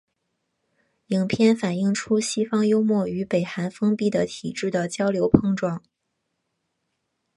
影片反映出西方幽默与北韩封闭的体制的交流碰撞。